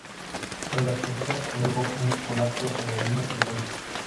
Tras la explosión, se produjo un colapso en las líneas telefónicas.